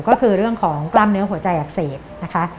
ก็คือเรื่องของกล้ามเนื้อหัวใจอักเสบนะคะ